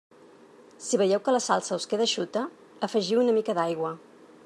Si veieu que la salsa us queda eixuta, afegiu-hi una mica d'aigua.